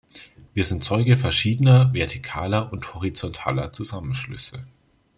Wir sind Zeuge verschiedener vertikaler und horizontaler Zusammenschlüsse.